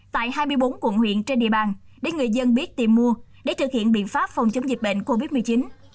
tại hai mươi bốn quận huyện trên địa bàn để người dân biết tìm mua để thực hiện biện pháp phòng chống dịch bệnh covid một mươi chín